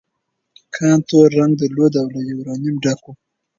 کان تور رنګ درلود او له یورانیم ډک و.